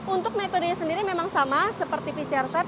untuk metodenya sendiri memang sama seperti pcr swab